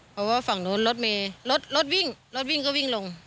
เพราะว่าฝั่งนู้นรถเมย์รถรถวิ่งรถวิ่งก็วิ่งลง